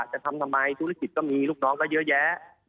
จะทำทำไมธุรกิจก็มีลูกน้องก็เยอะแยะ